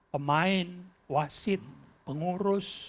pemain wasit pengurus